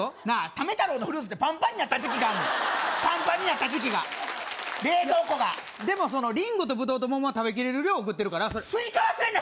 タメ太郎のフルーツでパンパンになった時期があんねんパンパンになった時期が冷蔵庫がでもリンゴとブドウと桃は食べきれる量送ってるからスイカ忘れんな